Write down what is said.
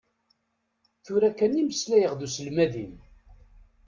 Tura kan i meslayeɣ d uselmad-im.